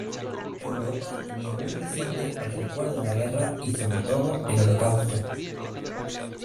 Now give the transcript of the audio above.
Europa tenía muy reciente el recuerdo de la guerra, y sobre todo el holocausto.